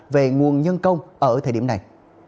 về nguồn nhân công ở thời điểm này